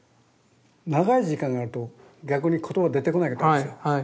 長い時間やると逆に言葉出てこなかったんですよ。